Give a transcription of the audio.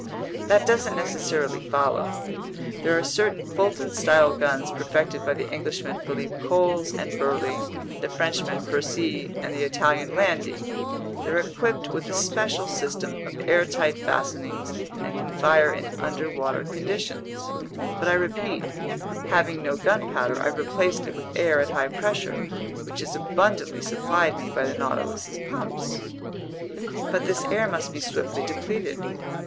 "That doesn't necessarily follow. There are certain Fulton style guns perfected by the Englishmen Philippe Coles and Burley, the Frenchman Furcy, and the Italian Landi; they're equipped with a special system of airtight fastenings and can fire in underwater conditions. But I repeat: having no gunpowder, I've replaced it with air at high pressure, which is abundantly supplied me by the Nautilus's pumps." "But this air must be swiftly depleted."